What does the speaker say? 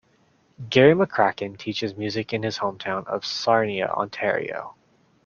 Gary McCracken teaches music in his hometown of Sarnia, Ontario.